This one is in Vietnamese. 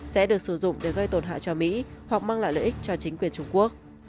sẽ được sử dụng để gây tổn hại cho mỹ hoặc mang lại lợi ích cho chính quyền trung quốc